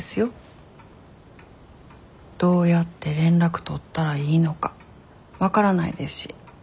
どうやって連絡取ったらいいのか分からないですし。